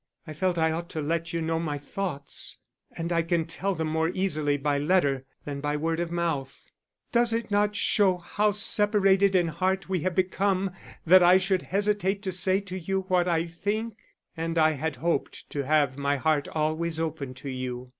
I felt I ought to let you know my thoughts, and I can tell them more easily by letter than by word of mouth. Does it not show how separated in heart we have become, that I should hesitate to say to you what I think and I had hoped to have my heart always open to you.